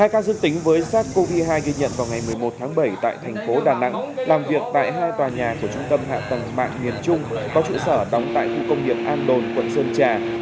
hai ca dương tính với sars cov hai ghi nhận vào ngày một mươi một tháng bảy tại thành phố đà nẵng làm việc tại hai tòa nhà của trung tâm hạ tầng mạng miền trung có trụ sở đóng tại khu công nghiệp an đồn quận sơn trà